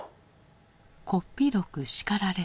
こっぴどく叱られた。